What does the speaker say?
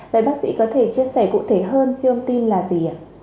vậy bác sĩ có thể chia sẻ cụ thể hơn siêu âm tim là gì hả